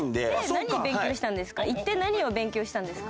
何勉強したんですか？